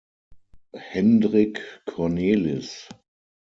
Hendrick Cornelisz.